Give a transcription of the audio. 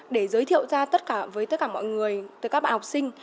để giới thiệu ra tất cả với tất cả mọi người từ các bạn học sinh